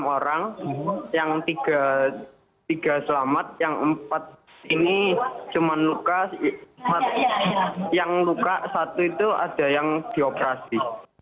enam orang yang tiga selamat yang empat ini cuma luka yang luka satu itu ada yang dioperasi